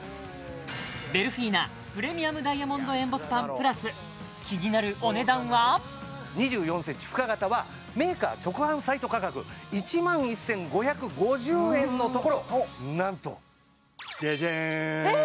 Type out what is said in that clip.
ベルフィーナプレミアムダイヤモンドエンボスパンプラス２４ｃｍ深型はメーカー直販サイト価格１万１５５０円のところなんとジャジャーン！